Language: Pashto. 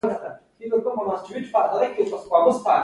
د ورموت اډر مو ورکړ او د څښلو امر مو وکړ.